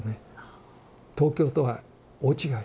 東京とは大違い。